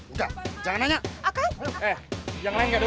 enggak jangan nanya